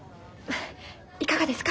いかがですか？